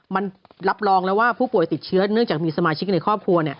มันรับรองแล้วว่าผู้ป่วยติดเชื้อเนื่องจากมีสมาชิกในครอบครัว